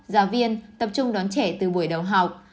giáo viên tập trung đón trẻ từ buổi đầu học